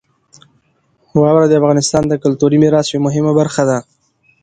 واوره د افغانستان د کلتوري میراث یوه مهمه برخه ده.